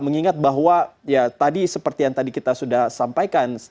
mengingat bahwa ya tadi seperti yang tadi kita sudah sampaikan